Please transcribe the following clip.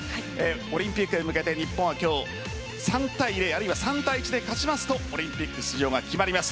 オリンピックへ向けて日本は今日３対０あるいは３対１で勝ちますとオリンピック出場が決まります。